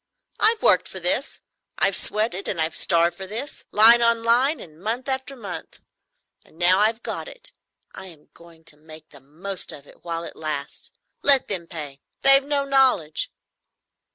I've worked for this, I've sweated and I've starved for this, line on line and month after month. And now I've got it I am going to make the most of it while it lasts. Let them pay—they've no knowledge."